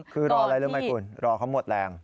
คือรออะไรรู้ไหมคุณรอเขาหมดแรง